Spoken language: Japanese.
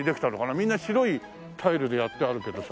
みんな白いタイルでやってあるけどさ。